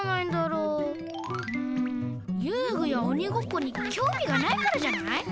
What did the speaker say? うんゆうぐやおにごっこにきょうみがないからじゃない？